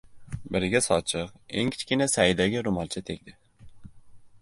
biriga sochiq, eng kichkina Saidaga ro‘molcha tegdi...